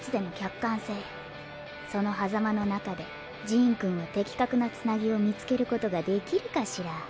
かんせいそのはざまのなかでジーンくんはてきかくなつなぎをみつけることができるかしら？